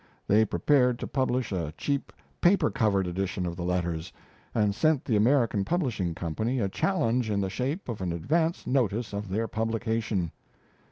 They prepared to publish a cheap paper covered edition of the letters, and sent the American Publishing Co. a challenge in the shape of an advance notice of their publication.